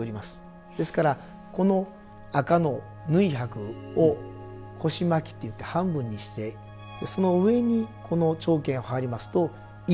ですからこの紅の縫箔を腰巻っていって半分にしてその上にこの長絹を羽織りますと「井筒」の後